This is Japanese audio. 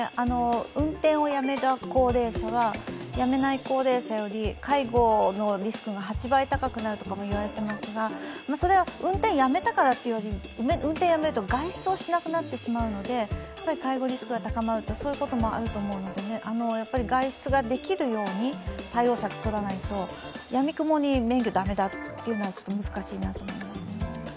運転をやめた高齢者は、やめない高齢者より介護のリスクが８倍高くなるとか言われていますがそれは運転をやめたからというより、運転をやめると外出をしなくなってしまうので、介護リスクが高まるということもあると思うので、外出できるように対応策をとらないとやみくもに免許駄目だというのは難しいと思います。